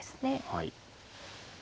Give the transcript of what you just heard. はい。